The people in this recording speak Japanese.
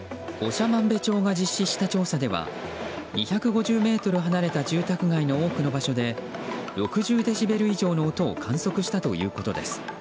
長万部町が実施した調査では２５０ｍ離れた住宅街の多くの場所で６０デシベル以上の音を観測したということです。